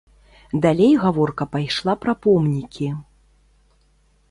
Далей гаворка пайшла пра помнікі.